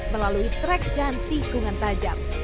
melalui trek dan tikungan tajam